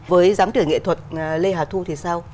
với giám tưởng nghệ thuật lê hà thu thì sao